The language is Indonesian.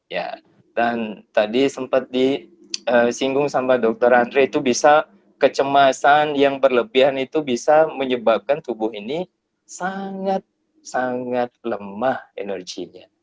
ya dan tadi sempat disinggung sama dokter andre itu bisa kecemasan yang berlebihan itu bisa menyebabkan tubuh ini sangat sangat lemah energinya